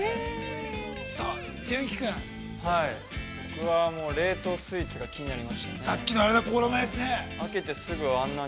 ◆さあ、純喜君、◆僕はもう冷凍スイーツが気になりましたね。